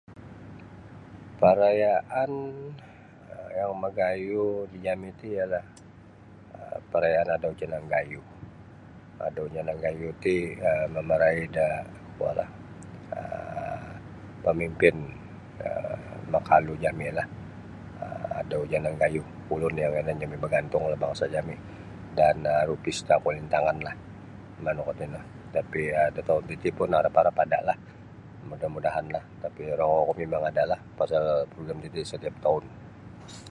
Parayaan um yang magayuh di jami' ti ialah um parayaan Adau Janang Gayuh Adau Janang Gayuh ti mamara'i da kuolah um pamimpin um makalu jami'lah Adau Janang Gayuh ulun yang yanan jami' bagantunglah bangsa' jami' dan aru pista kulintanganlah manu kuo tino tapi' da toun titi pun harap-harap adalah muda-mudahanlah adalah tapi' rongouku mimang adalah pasal progrim titi satiap toun.